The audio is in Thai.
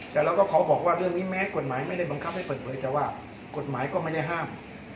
แต่เราก็ขอบอกว่าเรื่องนี้แม้กฎหมายไม่ได้บังคับให้เปิดเผยแต่ว่ากฎหมายก็ไม่ได้ห้าม